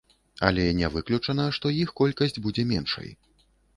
Але не выключана, што іх колькасць будзе меншай.